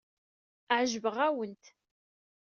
Ɛejbeɣ-awent.